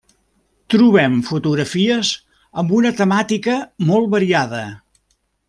Trobem fotografies amb una temàtica molt variada.